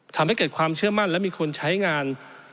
ทำให้เกิดความเชื่อมั่นและมีคนใช้งาน